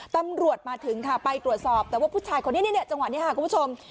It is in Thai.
ตำรวจมาถึงค่ะไปตรวจสอบแต่ว่าผู้ชายคนนี้เนี่ยจังหวะนี้ค่ะคุณผู้ชม